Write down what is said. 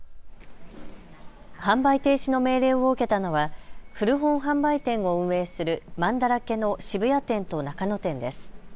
販売停止の命令を受けたのは古本販売店を運営するまんだらけの渋谷店と中野店です。